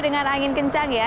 dengan angin kencang ya